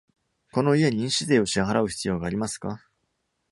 この家に印紙税を支払う必要がありますか。